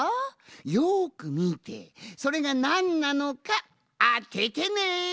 よくみてそれがなんなのかあててね。